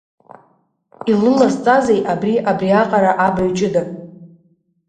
Илылазҵазеи абри абриаҟара абаҩҷыда?